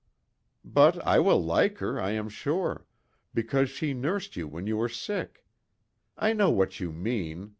"But I will like her, I am sure, because she nursed you when you were sick. I know what you mean!"